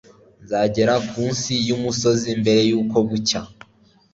Nzagera ku nsi y'umusozi mbere yuko bucya.